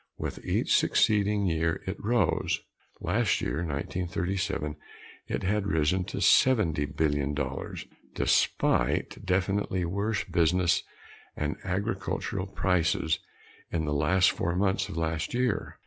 With each succeeding year it rose. Last year, 1937, it had risen to seventy billion dollars despite definitely worse business and agricultural prices in the last four months of last year.